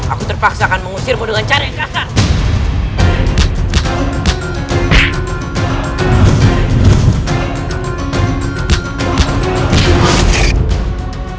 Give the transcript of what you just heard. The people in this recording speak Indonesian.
aku terpaksakan mengusirmu dengan cara yang kasar